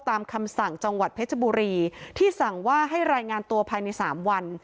ตามคำสั่งจังหวัดเพชรบุรีที่สั่งว่าให้รายงานตัวภายใน๓วัน